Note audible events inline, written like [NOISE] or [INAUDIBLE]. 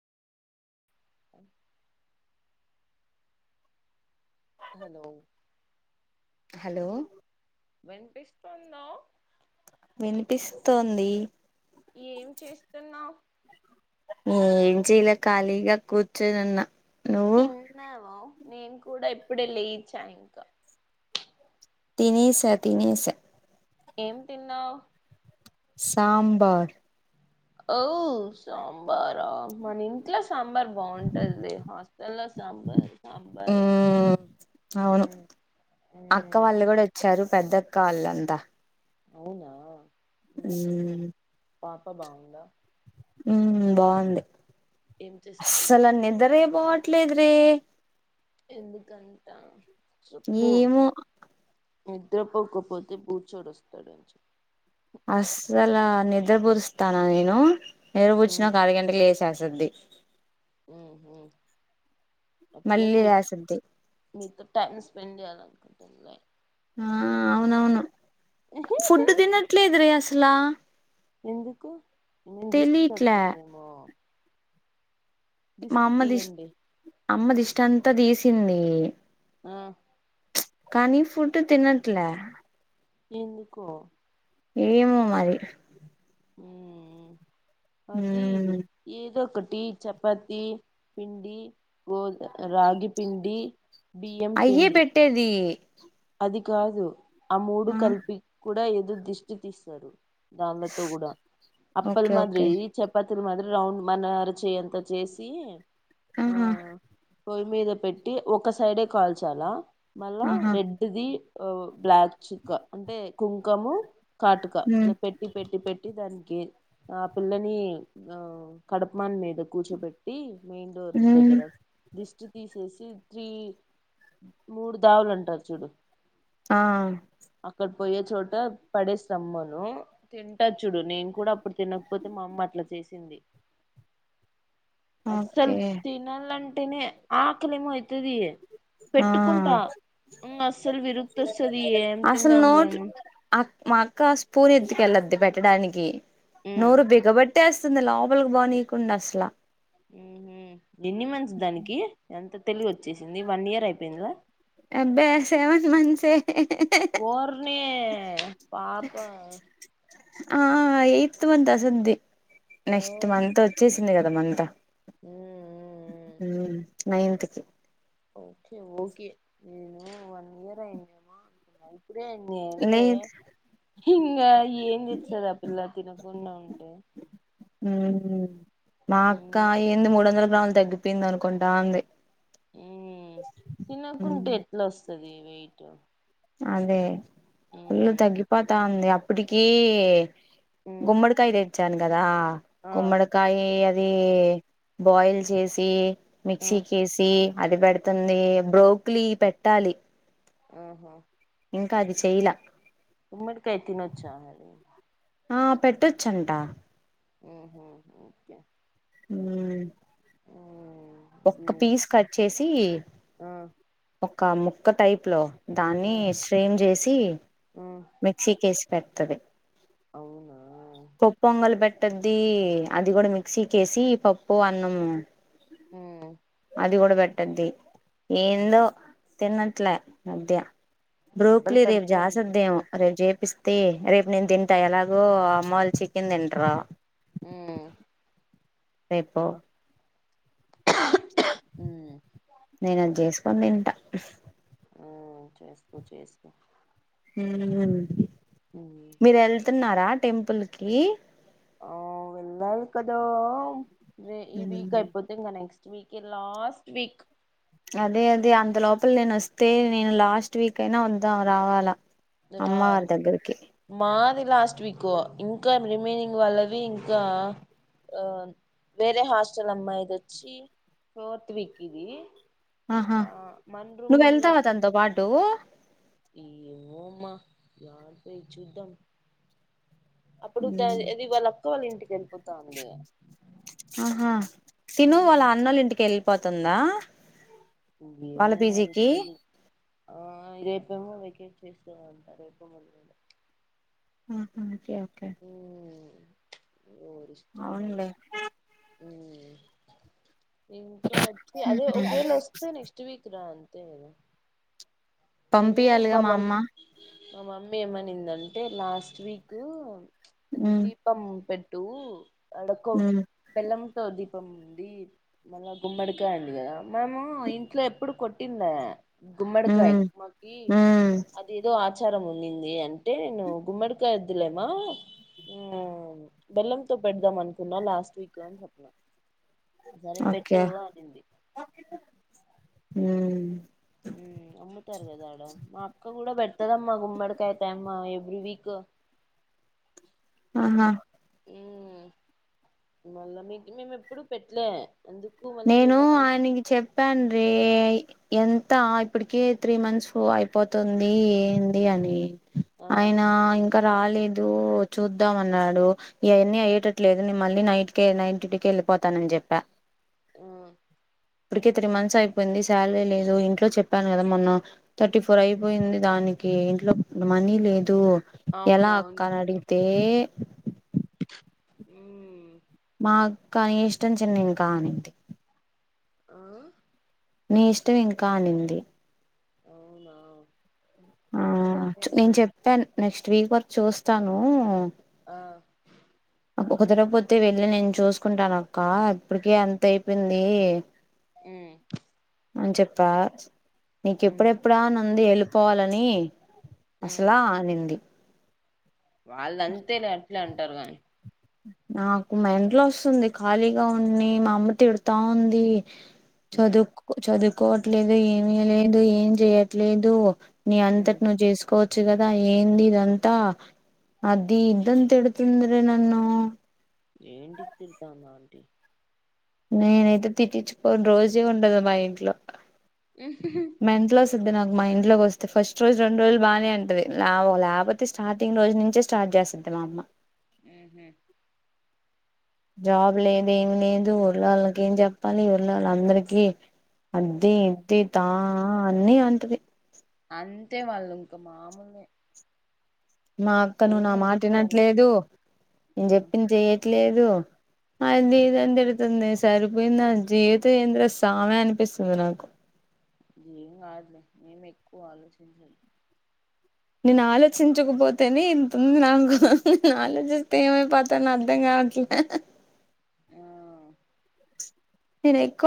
అఓ hello hello వినిపిస్తుందా వినిపిస్తోంది ఏం చేస్తున్నావు్ ఏం చేలే కాలిగా కూర్చొని ఉన్నా తిన్నావా నేను కూడా ఇప్పుడే లేచా ఇంకా తినేస తినేస ఏం తిన్నావు సాంబార్ ఓ య్ సాంబార మన ఇంట్లా సాంబార్ బాగుంటది మస్త్ తెల్లా సాంబార్ సాంబారే ఉమ్ అవును ఉమ్ అక్క ఉమ్ వాళ్ళు కూడా వచ్చారు పెద్దక్క వాళ్లంతా అవునా అ ఉహు పాప బాగుందా ఉమ్ బాగుంది ఏం చేస్తాంది అస్సల నిద్దరే పొవట్లే ద్ రే ఎందుకు అంట ఏమో నిద్రపోకపోతే పూచోడ వస్తాడని చెప్పింది అసల నిద్ర పుచ్చుతన నేను నిద్ర పుచ్ఛిన్నాక అర గంటలకే లేషింది చేసది ఉహ్ హు ల మళ్ళీ మీ లేస్తది మీ టైమ్స్ వెడిే అాలకుంటన్నా ఆ అవునవును ఫుడ్ తినట్లేద్రి అసల ఎట్లా ఎందుకు పిల్లకి దిష్టి తగిలిదేమో మా అమ్మది ఇష్ట అమ్మది ఇష్ట అంత అత్త తీసింది ఆ [INAUDIBLE] కనీ ఫటు తినట్లే ఎందుకో ఏమ మరి ఆ అది ఉమ్ ఏద ఒక క టి చపాతి పిండి గో రాగిపిిండి అయ్యే పెట్టేది అది కాదు ఆ మూడు కలిపి కూడా ఎదు దృష్టి తీస్తారు దాంలతో కూడా అప్పల్ ఓకే మాదిరిరి ఓకే ఈ చపాతి మాది రౌండ్ మన అరిచంత చేసి ఆ ఆహా పొయ్యి మీద పెట్టి ఒక సైడే కాల్చాలా మళ్ళా ఆహా రెడ్ బ్లాక్ చక్క అంటే కుంకము ఉమ్ కాటుకలా పెట్టి పెట్టి పెట్టి దానికి ఆ పిల్లని ఆ కడుపుమాన్ మీద కూర్చోబెట్టి మెయిన్ డోర్ ఉమ్ దగ్గర తీసేసి త్రీ మూడు దావులుంటారు చూడు ఆ అక్కడ పోయే చోట పడేస్తామ్మను. తింటచ్చుడు నేను కూడా అప్పుడు తినకపోతే మా అమ్మ అట్లా చేసింది. అసల్ ఓకే తినాల ఆకలిమో వది ఆ పెట్టుకుంటా అసలు విరుక్తస్తుది ఏ త అసలు నంల నోట్ అక్ మా అక్క స్పూర్ ఎతుక వెళ్ళద్ది పెట్టడానికి నూరు బేగ బట్ పట్టేస్తుంది లోపలికి బాగానీయకుండా అసలా ఉ ఎన్ని మంచి దానికి ఎంత తెలుగు వచ్చేసింది వన్ ఇయర్ అయిపోయింది అబ్బా సెవెన్ మంత్స్ ఓర్ని పాత ఆ ఇయిత్ బంతా సద్దది ఓ నెక్స్ట్ మంత్ వచ్చేసి చి జద మనంత మ్మ్ హ [INAUDIBLE] నైన్త్ కి ఓకే ఓకే నేను వన్ ఇయర్యిన్నా ఇప్పురే అడి అంటే లేదు హింగ్ ఏం తెసారు ఆ పిల్ల తినకుండా ఉంటే ఉ మా అక్క మ్మ్ ఎంద మూడుందర లు తగ్గిపోయింది. అనుకుంటా అంది తినకుంంటట్లు స్తుది వెయిట్ం అదే ఫల్ తగ్గిపాతా ఉంది అప్పటికి మ్మ్ గుమ్మడుకాయద వచ్చాను కదా ఆ కుుమడకాయ అది బాయిల్ చేసి ఆ మిక్సీ కేసి అది పెడుతుంది బ్రోక్లీ పెట్టాలి ఆఓహో ఇంకా అది చెయలా తమ్ మడికాతిన చాల ఆ పెట్టొచ్చంట ఆ అకే [INAUDIBLE] హ [INAUDIBLE] ఆ [INAUDIBLE] ఒక్క పీస్ కట్ చేసి ఆ ఒక ముక్క టైప్ లో ఆ దాన్ని స్ట్రీమ్ చేసి ఆ మిక్సీకి వేసి పెట్ టది అవును పెట్టది అది కూడా మిక్సీ కేేసి పప్పు అన్నం హ అది కూడా పెట్టద్ది ఏందో తిన్నట్లే మధ్య దెబ్బలు బ్రోక్లీ రేపు పడతాయని చెప్పు జాసద్దేమో రేపు చేపిస్త రేపు నేను తింటను ఎలాగో అమ్మవాళ్ళు చికెన్ తింటరా ఊ రేపు [INAUDIBLE] మ్మ్ నేను అది చేసుకోని తింట ఉ చేసు చేసు ఊ మీరు వెళ్తున్నారా టెంపుల్కి ఆ వెళ్ళ కద రే ఈ వీక్ అయిపోతే ఇంక నెక్స్ట్ ఇ వికే లాస్ట్ వీక్ అదే అదే అంత లోపల నేను వస్తే నేను లాస్ట్ వీక్ అయినా వద్దాం రావాల రా అమ్మవారి దగ్గరికి మాది లాస్ట్ వీకు ఇంకా రిమైనింగ్ వాళ్ళవి ఇంకా వేరే హాస్టల్ అమ్మాయిది వచ్చి ఫోర్త్ వీక్ ఇది ఆహా ఆ మన నువ్వు వెళ్తావా తనతోపాటు ఏవోమా వారు పోయి చుద్దం అప్పుడు అది వాళ్ళు అక్క వాళ్ళ ఇంటికి తేల్పుత ఉంది ఆహా తిను వాళ్ల అన్నోలి ఇంటికెళ్ళింది పతుందా ఇవేమో మరితుదు ఆ రేపేమ్మో వెకేట్ చేస్తూ ఉంట రేపెమ్మని కూడా ఉహ ఓకే ఓకే ఊరిష్టందనే అవునులే ఇంకా వచ్చి అదే ఒకవేళ వస్తే నెక్స్ట్ వీక్ రాం నేను పంపియాలిగా మా అమ్మ మమ్మీ మా మమ్మీ ఏమనిందంటే లాస్ట్ వీక్ ఉమ్ దీపం పెట్ టూ అడుక్కో ఉమ్ బెల్లం తోని ప్ప ఉంది మళ్ళా గుమ్మడికా అండి కదా మనము ఇంట్లో ఎప్పుడు కొట్టిందా గుమ్మడుకాయి ఉమ్ ఉమ్ అది ఏదో ఆచారం ఉన్నింది అని అటై గుమ్మడ్క వదులేమ ఆ బెల్లంతో పెడదాం అనుకున్నా లాస్ట్ వీక్ అని చెప్పిన సరే పెట్టు ఓకే అనింది హ అమ్ముతార కదా ఆడ మా అక్క కూడా బట్ ఇత్తదమ్మా గుమ్మడకాయతే అమ్మా ఎవ్రి వీక్ ఆహా మళ్ళా మీకు మేము ఎప్పుడు పెట్టలే నేను ఆయనకి చెప్పాను రీ ఎంత ఇప్పటిక త్రీ మంత్స్ అయిపోతుంది ఏంది అని ఆ అయినా ఇంకా రాలేదు చూద్దాం అన్నాడు. ఇవన్నీ అయ్యేటట్లేదు నేను మళ్ళీ నైట్ క నైట్ డ్యూటీకి వెళ్ళిపోతానని చెప్పా. ఆ ఇప్పటికే త్రీ మంత్స్ అయిపోయింది. శాలరీ లేదు ఇంట్లో చెప్పాను కదా మొన్న థర్టీ ఫోర్ అయిపోయింది. దానికి ఇంట్లో మనీ లేదు ఆ ఎలా అక్క నడితే ఉ నా కానీ ఇష్టం చెందినుకా అనింటి ఆ నీ ఇష్టం ఇంకా అనింది అవునా [INAUDIBLE] ఆ నేను సరేలే చెప్పాను నెక్స్ట్ స్ వర్ చూస్తాను ఆ ఒక తర పోతే వెళ్ళి నేను చూసుకుంటాన అక్క ఇప్పటిక అంత అయిపోయింది. అ అవును చెప్పా నీకు మ్మ్ ఎప్పుడెప్పుడా నంది ఎలు పోలని అసలా అ నింది వాళ్ళంతే న అట్లా అంట అంటారు కానీ నాకు మా మెంటల్ వస్తుంది. ఖాళీగా ఉడి మా అమ్మ తిడతా ఉంది. చద మ్మ్ చదు కోవట్లేదు ఏమిీ లేదు ఏం చేయట్లేదు నీ మ్మ్ అంతటి నువ్వు చేసుకోవచ్చు చ్చిగద ఏంద ఇద అంతా అదిది ఇంతతుంద్రే నన్ను ఏంటి తెరుతా ఆంటీ నేనైయితే తిటిచ్చి పోను రోజే ఉండదు మా ఇంట్లో ఏ వ నాకు మా ఇంట్లోకి వస్తే ఫస్ట్ రోజు రెండు రోజులు బాగానే ఉంటది. లేకపోతే స్టార్టింగ్ రోజు నుంచే స్టార్ట్ చేస్తుది మా అమ్మ. ఆహమ్ జాబ్ లేదు ఏమి లేదు ళ్ళ వాళ్ళకి ఏం చెప్పాలి. వళ్ళ వాళ్ళ అందరికీ అది ఇది తా ఆ అన్నీ అంటది అంతే వాళ్ళు ఇంక మామూలు మా అక్క నువ్వు నా మాట వెళ్ళొచ్చు వినట్లేదు నేను చెప్పింది చెయట్లేదు. అ అ ఇది ఇదంత ఇతుంది సరిపోయింది నా జీవితం ఇంద్ర సామె అనిపిస్తుంది. నాకు ఇది ఏం కాదులే మేము ఎక్కువ ఆలోచించదు నేను ఆలోచించకపోతేనే ఇంతంది నాకు నే ఆలోచిస్తే ఏమే పాతాని అర్థం కావట్లే ఆ నను ఎకు